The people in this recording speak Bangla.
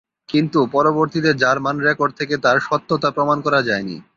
কিন্তু পরবর্তীতে জার্মান রেকর্ড থেকে তার সত্যতা প্রমাণ করা যায়নি।